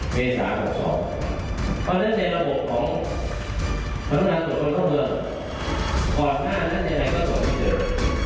เพราะฉะนั้นในระบบของพันธุ์นักส่วนคนเข้าเมืองก่อนหน้านั้นในแรกก็ส่วนที่เดิม